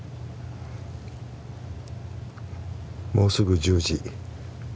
もうすぐ１０時。